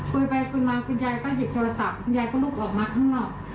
คุยไปคุยมาคุณยายก็หยิบโทรศัพท์คุณยายก็ลุกออกมาข้างนอก